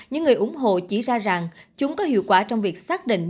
những người ủng hộ chỉ ra rằng chúng có hiệu quả trong việc xác định